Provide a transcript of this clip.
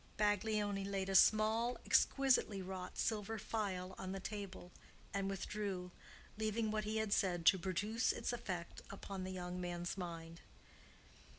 Baglioni laid a small, exquisitely wrought silver vial on the table and withdrew, leaving what he had said to produce its effect upon the young man's mind.